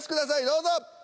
どうぞ。